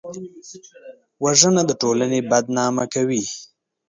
وژنه د ټولنې بدنامه کوي